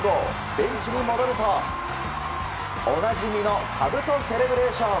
ベンチに戻ると、おなじみのかぶとセレブレーション。